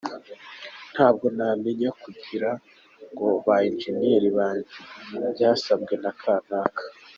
Ntabwo namenya kugira ngo ba ingénierie banjyane byasabwe na kanaka.